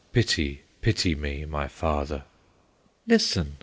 Pity, pity me, my father!' "'Listen!